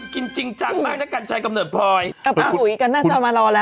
กินจริงจังมากนะกันใช้กำหนดพออุ๋ยกันน่าจะมารอแล้วแล้ว